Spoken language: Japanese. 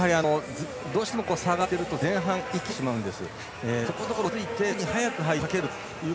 どうしても差が開いていると前半いきすぎてしまうんです。